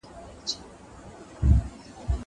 که وخت وي، درسونه اورم.